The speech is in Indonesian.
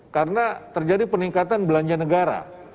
karena terjadi peningkatan belanja negara